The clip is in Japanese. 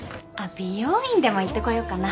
美容院でも行ってこようかな。